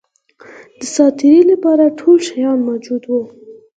د سات تېري لپاره ټول شیان موجود وه.